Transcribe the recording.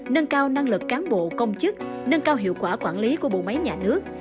nâng cao năng lực cán bộ công chức nâng cao hiệu quả quản lý của bộ máy nhà nước